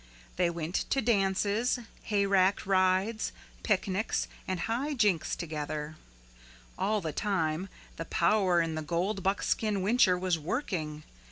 They went to dances, hayrack rides, picnics and high jinks together. All the time the power in the gold buckskin whincher was working.